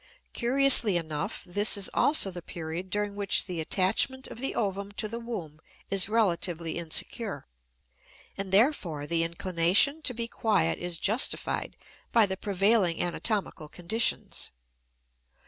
Curiously enough this is also the period during which the attachment of the ovum to the womb is relatively insecure, and therefore the inclination to be quiet is justified by the prevailing anatomical conditions.